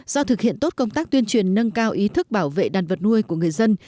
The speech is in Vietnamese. do thực hiện tốt công tác tuyên truyền nâng cao ý thức bảo vệ đàn vật nuôi của người dân